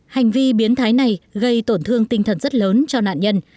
hành vi biến thái này gây tổn thương tinh thần rất lớn cho nạn nhân